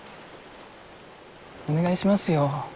お願いしますよ。